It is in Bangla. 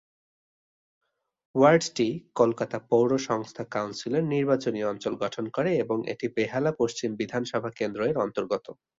ওয়ার্ডটি কলকাতা পৌর সংস্থা কাউন্সিলের নির্বাচনী অঞ্চল গঠন করে এবং এটি বেহালা পশ্চিম বিধানসভা কেন্দ্র এর অন্তর্গত।